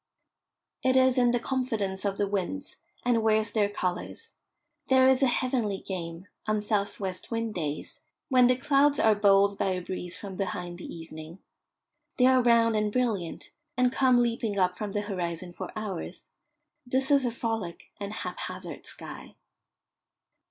It is in the confidence of the winds, and wears their colours. There is a heavenly game, on south west wind days, when the clouds are bowled by a breeze from behind the evening. They are round and brilliant, and come leaping up from the horizon for hours. This is a frolic and haphazard sky.